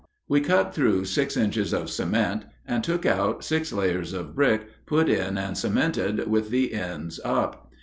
We cut through six inches of cement, and took out six layers of brick put in and cemented with the ends up.